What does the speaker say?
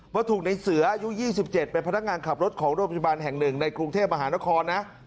ว่าถูกในเสืออายุ๒๗เป็นพนักงานขับรถของโรงพยาบาลแห่งหนึ่งในกรุงเทพมหานครนะ